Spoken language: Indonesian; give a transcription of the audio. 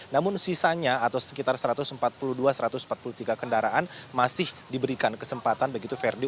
namun sisanya atau sekitar satu ratus empat puluh dua satu ratus empat puluh tiga kendaraan masih diberikan kesempatan begitu ferdi